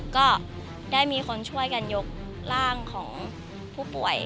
ก็ได้มีคนช่วยกันยกร่างของผู้ป่วย